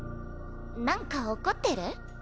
なんか怒ってる？